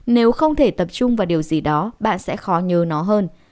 nếu không thể tập trung vào điều gì đó bạn sẽ khó nhớ nó hơn